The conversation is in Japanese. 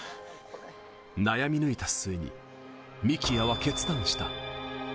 悩み抜いた末に幹也は決断した。